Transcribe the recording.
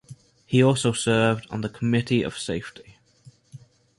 He also served on the Committee of Safety.